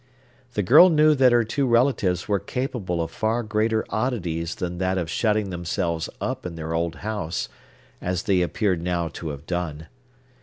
The girl knew that her two relatives were capable of far greater oddities than that of shutting themselves up in their old house, as they appeared now to have done.